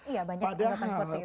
iya banyak digunakan seperti itu